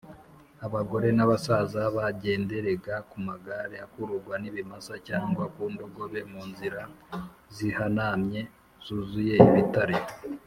. Abagore n’abasaza bagenderega ku magare akururwa n’ibimasa cyangwa ku ndogobe mu nzira zihanamye zuzuye ibitare